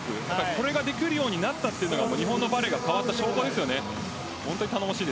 これができるようになったというのが日本のバレーが変わった証拠ですよね。